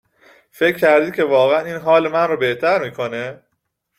فکر کردید که واقعا اين حال من رو بهتر مي کنه؟